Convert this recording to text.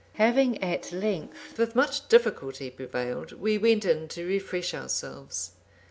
Having at length, with much difficulty, prevailed, we went in to refresh ourselves.